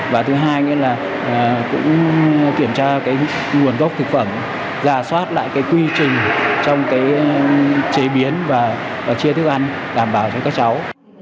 và thứ hai cũng kiểm tra nguồn gốc thực phẩm giả soát lại quy trình trong chế biến và chia thức ăn đảm bảo cho các cháu